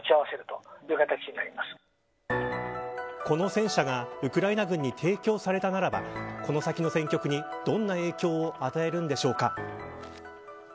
この戦車がウクライナ軍に提供されたならばこの先の戦局にどんな影響を与えるのでしょうか。